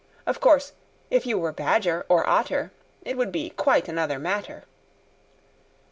Of course if you were Badger or Otter, it would be quite another matter."